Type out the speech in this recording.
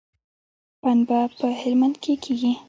پنبه په هلمند کې کیږي